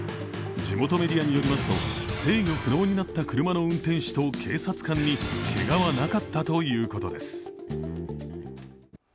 地元メディアによりますと制御不能になった車の運転手と警察官にけがはなかったということです。